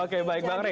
oke baik bang rey